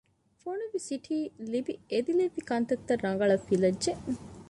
ފޮނުއްވި ސިޓި ލިބި އެދިލެއްވި ކަންތައްތައް ރަގަޅަސް ފިލައްޖެ